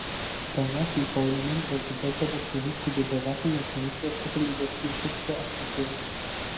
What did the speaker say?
Bei Massenkeulungen sollte deshalb auf die richtige Überwachung und Berichterstattung über Tierschutz geachtet werden.